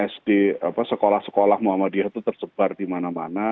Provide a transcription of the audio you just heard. sd sekolah sekolah muhammadiyah itu tersebar di mana mana